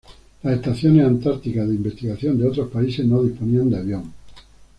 Las estaciones antárticas de investigación de otros países no disponían de avión.